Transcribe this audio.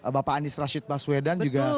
bapak anies rashid baswedan juga